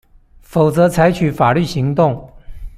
否則採取法律行動